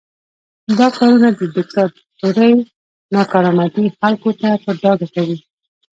دا کارونه د دیکتاتورۍ ناکارآمدي خلکو ته په ډاګه کوي.